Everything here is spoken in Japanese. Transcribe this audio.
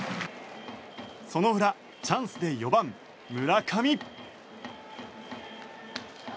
その裏チャンスで４番、村上。